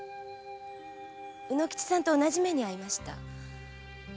卯之吉さんと同じ目に遭いました。